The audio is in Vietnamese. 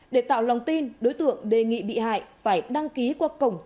để tạo lòng tin đối tượng đề nghị bị hại phải đăng ký qua công ty